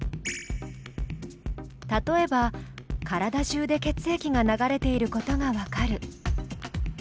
例えば体じゅうで血液が流れていることがわかる。